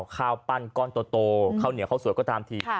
ข้าวปั้นก้อนโตข้าวเหนียวข้าวสวยก็ตามที